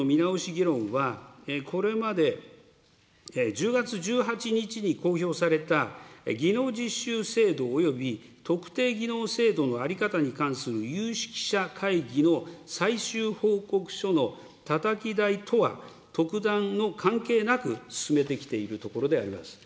議論は、これまで１０月１８日に公表された技能実習制度および特定技能制度の在り方に関する有識者会議の最終報告書のたたき台とは特段の関係なく、進めてきているところであります。